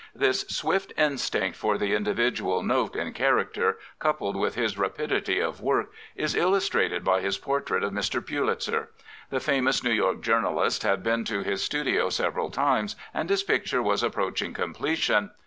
This swift instinct for the individual note in character, coupled with his rapidity of work, is illustrated by his portrait of Mr. Pulitzer. The famous New York journalist had been to his studio several times and his picture was approaching completion.